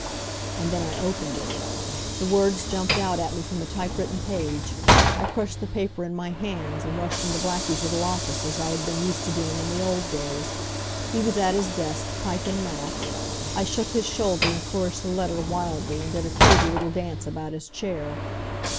And then I opened it. The words jumped out at me from the typewritten page. I crushed the paper in my hands, and rushed into Blackie's little office as I had been used to doing in the old days. He was at his desk, pipe in mouth. I shook his shoulder and flourished the letter wildly, and did a crazy little dance about his chair.